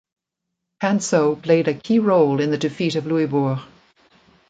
Canso played a key role in the defeat of Louisbourg.